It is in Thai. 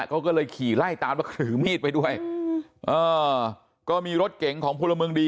เขาก็เลยขี่ไล่ตามแล้วถือมีดไปด้วยอืมเออก็มีรถเก๋งของพลเมืองดี